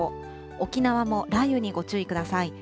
沖縄も雷雨にご注意ください。